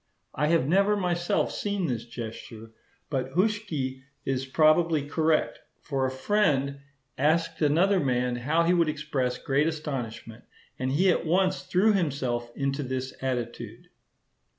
I have never myself seen this gesture; but Huschke is probably correct; for a friend asked another man how he would express great astonishment, and he at once threw himself into this attitude.